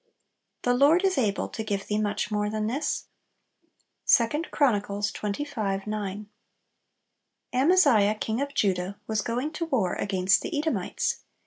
"The Lord is able to give thee much more than this." 2 Chron. xxv. 9. Amaziah, king of Judah, was going to war against the Edomites.